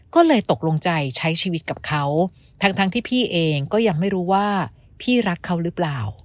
ก็เลยตกลงใจใช้ชีวิตกับเขาทั้งที่พี่เองก็ยังไม่รู้ว่าพี่รักเขาหรือเปล่า